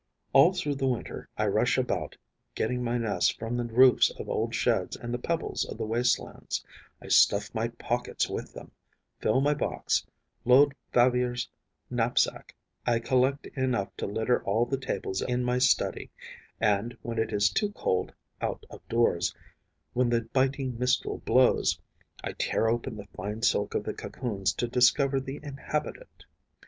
All through the winter, I rush about, getting my nests from the roofs of old sheds and the pebbles of the waste lands; I stuff my pockets with them, fill my box, load Favier's knapsack; I collect enough to litter all the tables in my study; and, when it is too cold out of doors, when the biting mistral blows, I tear open the fine silk of the cocoons to discover the inhabitant.